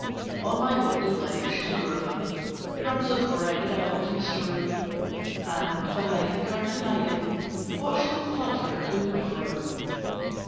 On my window ledge, to lure them, Crumbs of bread I often strew, And, behind the curtain hiding, Watch them flutter to and fro.